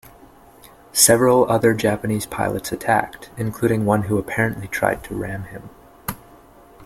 Several other Japanese pilots attacked, including one who apparently tried to ram him.